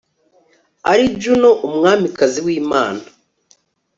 Ari Juno Umwamikazi w imana